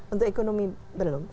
untuk ekonomi belum